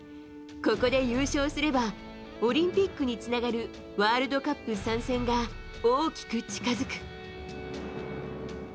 ここで優勝すればオリンピックにつながるワールドカップ参戦が大きく近づく。